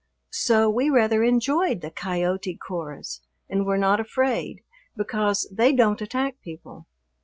So we rather enjoyed the coyote chorus and were not afraid, because they don't attack people.